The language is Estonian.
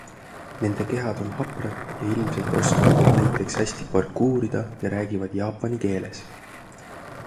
Nende kehad on haprad ja ilmselt oskavad nad näiteks hästi parkuurida ja räägivad jaapani keeles.